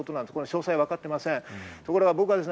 詳細はわかっていません。